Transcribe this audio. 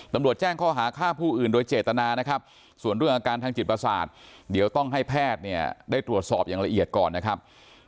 ตำรวจแจ้งข้อหาฆ่าผู้อื่นโดยเจตนานะครับส่วนเรื่องอาการทางจิตประสาทเดี๋ยวต้องให้แพทย์เนี่ยได้ตรวจสอบอย่างละเอียดก่อนนะครับ